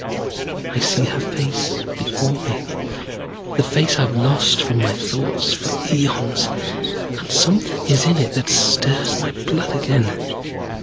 I see her face before me, the face I have lost from my thoughts for eons, and something is in it that stirs my blood again.